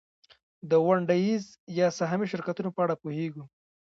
د ونډه ایز یا سهامي شرکتونو په اړه پوهېږو